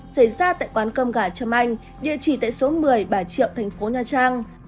xảy ra tại quán cơm gà trâm anh địa chỉ tại số một mươi bà triệu thành phố nha trang